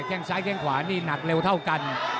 แค่งซ้ายแข้งขวานี่หนักเร็วเท่ากัน